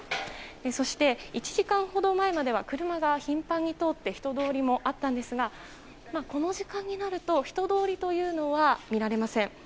そして、１時間ほど前までは車が頻繁に通って人通りもあったんですがこの時間になると人通りというのは見られません。